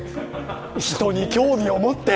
人に興味を持って。